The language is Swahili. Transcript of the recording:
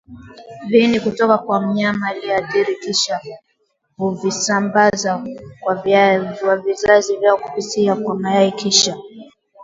viini kutoka kwa mnyama aliyeathirika Kisha huvisambaza kwa vizazi vyao kupitia kwa mayai Kisha